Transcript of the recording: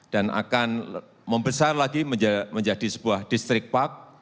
dan akan membesar lagi menjadi sebuah distrik park